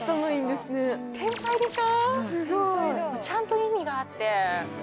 ちゃんと意味があって。